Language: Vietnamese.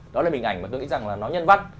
đó là hình ảnh mà tôi nghĩ rằng là nó nhân văn